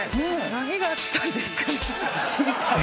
何があったんですかね？